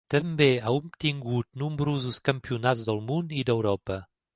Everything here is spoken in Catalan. També ha obtingut nombrosos campionats del món i d'Europa.